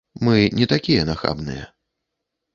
Мы не такія нахабныя.